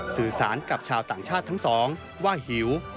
สื่อสารกับชาวต่างชาติทั้งสองว่าหิว